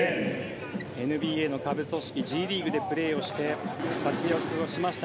ＮＢＡの下部組織Ｇリーグでプレーをして活躍をしました。